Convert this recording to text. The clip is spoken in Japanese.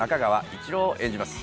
市郎を演じます